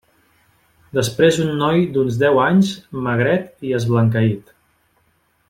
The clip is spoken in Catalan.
Després un noi d'uns deu anys, magret i esblanqueït.